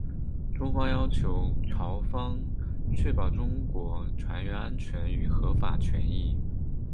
中方要求朝方确保中国船员安全与合法权益。